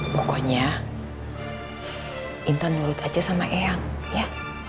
pokoknya intan mulut aja sama eyang ya